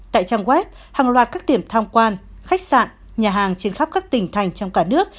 tại trang web hàng loạt các điểm tham quan khách sạn nhà hàng trên khắp các tỉnh thành trong cả nước